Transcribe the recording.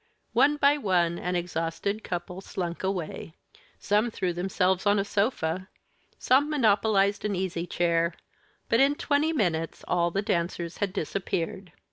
One by one, an exhausted couple slunk away. Some threw themselves on a sofa, some monopolized an easy chair; but in twenty minutes all the dancers had disappeared.